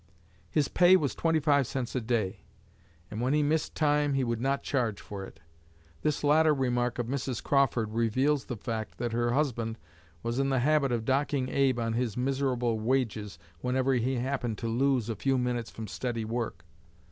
His pay was twenty five cents a day; 'and when he missed time, he would not charge for it.' This latter remark of Mrs. Crawford reveals the fact that her husband was in the habit of docking Abe on his miserable wages whenever he happened to lose a few minutes from steady work.